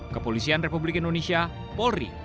kepolisian republik indonesia polri